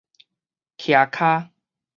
徛跤